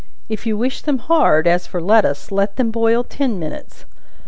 If you wish them hard, as for lettuce, let them boil ten minutes.